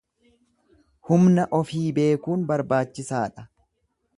Humna ofii beekuun barbaachisaadha.